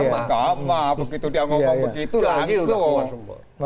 sama begitu dia ngomong begitu langsung